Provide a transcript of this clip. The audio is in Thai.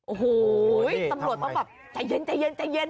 โอ้โฮตำรวจมาแบบใจเย็น